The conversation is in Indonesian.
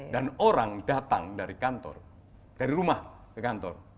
dan orang datang dari kantor dari rumah ke kantor